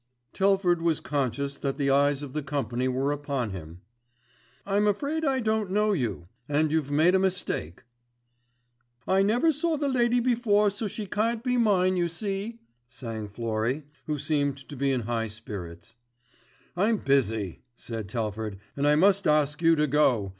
Telford was conscious that the eyes of the company were upon him. "I'm afraid I don't know you, and you've made a mistake." "I never saw the lady before so she can't be mine you see," sang Florrie, who seemed to be in high spirits. "I'm busy," said Telford, "and I must ask you to go.